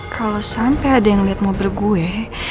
kalau sampai ada yang ngeliat mobil gue